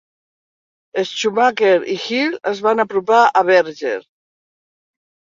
Schumacher i Hill es van apropar a Berger.